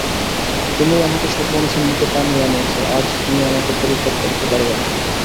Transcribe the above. তুমিই আমাকে সর্বনাশের মুখে টানিয়া আনিয়াছ, আজ তুমি আমাকে পরিত্যাগ করিতে পারিবে না।